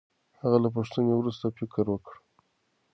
هغه له پوښتنې وروسته فکر وکړ.